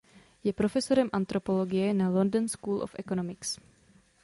Je profesorem antropologie na London School of Economics.